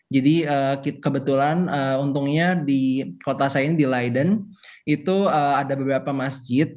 jadi kebetulan untungnya di kota saya ini di leiden itu ada beberapa masjid